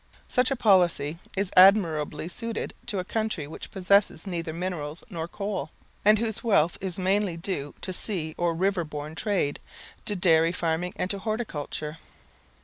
Such a policy is admirably suitable to a country which possesses neither minerals nor coal, and whose wealth is mainly due to sea or river borne trade, to dairy farming and to horticulture.